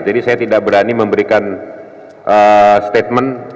jadi saya tidak berani memberikan statement